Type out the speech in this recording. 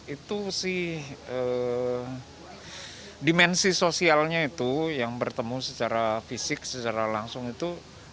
itu sih dimensi sosialnya itu yang bertemu secara fisik secara langsung itu